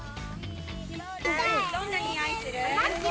どんなにおいする？